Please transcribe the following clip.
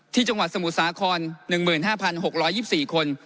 จังหวัดสมุทรสาคร๑๕๖๒๔คน